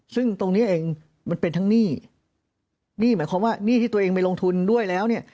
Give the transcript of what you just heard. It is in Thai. ซึ่งตรงนี้เองมันเป็นทั้งหนี้หนี้หมายความว่าหนี้ที่ตัวเองไปลงทุนด้วยแล้วเนี่ย